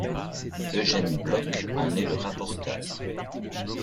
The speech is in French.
Eugène Bloch en est le rapporteur.